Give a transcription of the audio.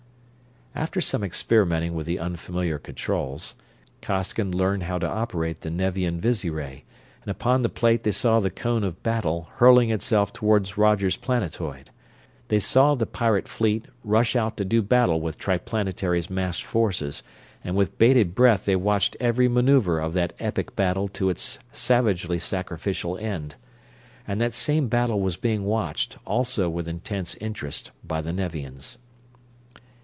After some experimenting with the unfamiliar controls Costigan learned how to operate the Nevian visiray, and upon the plate they saw the Cone of Battle hurling itself toward Roger's planetoid. They saw the pirate fleet rush out to do battle with Triplanetary's massed forces, and with bated breath they watched every maneuver of that epic battle to its savagely sacrificial end. And that same battle was being watched, also with intense interest, by the Nevians.